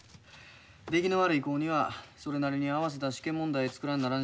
出来の悪い子にはそれなりに合わせた試験問題作らんならんし。